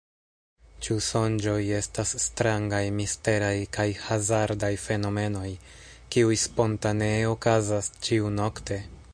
Ĉu sonĝoj estas strangaj, misteraj kaj hazardaj fenomenoj, kiuj spontanee okazas ĉiu-nokte?